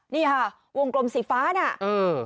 นี่ค่ะวงกลมสีฟ้าเนี่ย